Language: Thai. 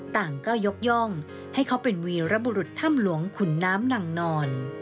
ต่างก็ยกย่องให้เขาเป็นวีรบุรุษถ้ำหลวงขุนน้ำนางนอน